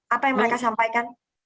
apa yang mereka sampaikan